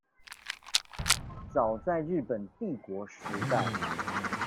早在日本帝國時代